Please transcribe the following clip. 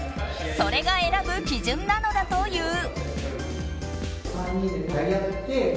それが選ぶ基準なのだという。